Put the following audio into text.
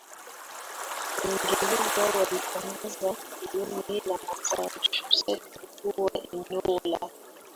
Waingereza walitangaza koloni la Massachusetts kuwa eneo la